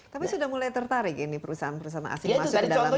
tapi sudah mulai tertarik ini perusahaan perusahaan asing masuk ke dalam negeri